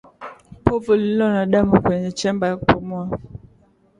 Povu lililo na damu kwenye chemba ya kupumua